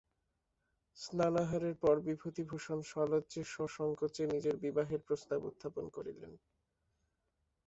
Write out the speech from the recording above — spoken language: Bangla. স্নানাহারের পর বিভূতিভূষণ সলজ্জে সসংকোচে নিজের বিবাহের প্রস্তাব উত্থাপন করিলেন।